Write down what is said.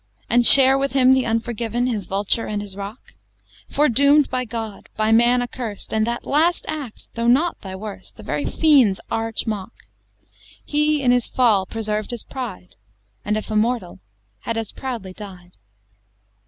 And share with him, the unforgiven, His vulture and his rock! Foredoom'd by God by man accurst, And that last act, though not thy worst, The very Fiend's arch mock; He in his fall preserved his pride, And, if a mortal, had as proudly died!